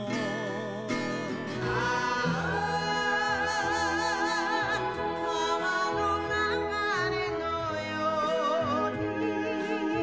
「ああ川の流れのように」